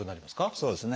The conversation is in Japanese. そうですね。